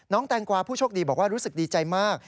แตงกวาผู้โชคดีบอกว่ารู้สึกดีใจมาก